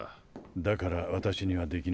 だからわたしにはできないと？